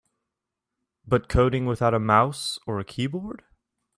But coding without a mouse or a keyboard?